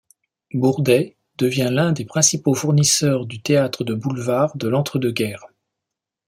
Bourdet devient l'un des principaux fournisseurs du théâtre de boulevard de l'entre-deux-guerres.